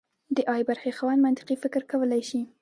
د ای برخې خاوند منطقي فکر کولی شي.